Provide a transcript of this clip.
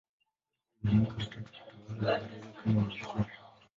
Alikuwa mwanamke wa tatu kutawala Uingereza kama malkia.